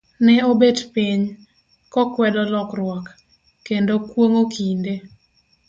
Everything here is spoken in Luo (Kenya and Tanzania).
Ne obet piny, kokwedo lokruok, kendo kuong'o kinde.